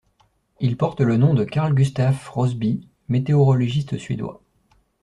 Il porte le nom de Carl-Gustaf Rossby, météorologiste suédois.